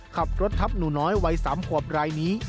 ขับรถทับหนูน้อยวัย๓ขวบรายนี้